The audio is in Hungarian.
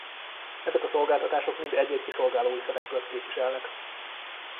Ezek a szolgáltatások mind egy-egy kiszolgálói szerepkört képviselnek.